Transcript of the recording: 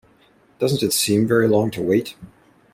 Doesn't it seem very long to wait?